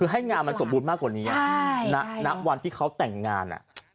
คือให้งานมันสมบูรณ์มากกว่านี้นะนับวันที่เขาแต่งงานน่ะนะครับ